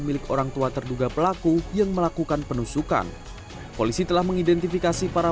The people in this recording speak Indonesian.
milik orang tua terduga pelaku yang melakukan penusukan polisi telah mengidentifikasi para